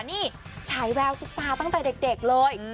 นี่ฉายแววซุปตาตั้งแต่เด็กเลย